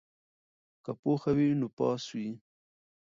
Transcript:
که پوهه وي نو پاس وي.